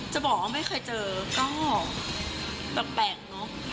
จะบอกว่าไม่เคยเจอก็แปลกเนอะ